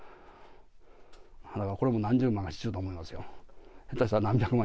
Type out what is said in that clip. これも何十万かすると思いますよ。